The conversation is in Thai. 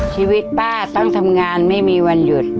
ชีวิตป้าต้องทำงานไม่มีวันหยุด